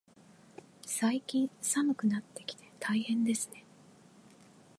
最近、寒くなってきて大変ですね。